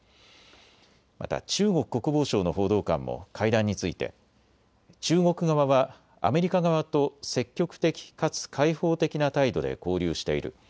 また中国国防省の報道官も会談について、中国側はアメリカ側と積極的かつ開放的な態度で交流している。